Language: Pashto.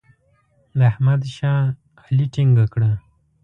د احمد شا علي ټینګه کړه.